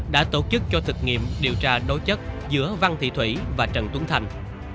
đã tổ chức cho thực nghiệm điều tra đối chất giữa văn thị thủy và trần tuấn thành